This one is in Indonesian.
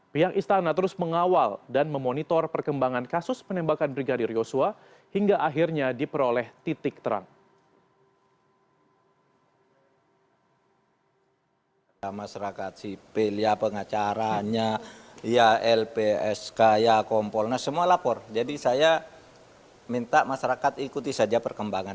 pihak istana terus mengawal dan memonitor perkembangan kasus penembakan brigadir yosua hingga akhirnya diperoleh titik terang